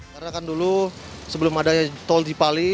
karena kan dulu sebelum adanya tol cipali